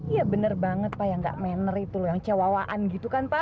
iya bener banget pak yang gak mener itu loh yang cewaan gitu kan pak